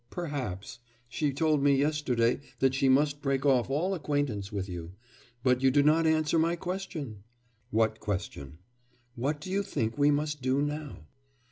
'Perhaps. She told me yesterday that she must break off all acquaintance with you.... But you do not answer my question?' 'What question?' 'What do you think we must do now?